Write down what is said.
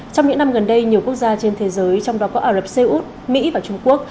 trong những năm gần đây nhiều quốc gia trên thế giới trong đó có ả rập xê út mỹ và trung quốc